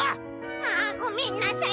「ああごめんなさい」。